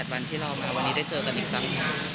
วันที่เรามาวันนี้ได้เจอกันอีกครั้ง